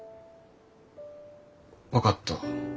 分かった。